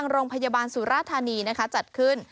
โรงพยาบาลสุราธานีจัดขึ้น